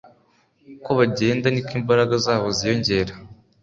uko bagenda ni ko imbaraga zabo ziyongera